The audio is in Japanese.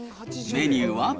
メニューは。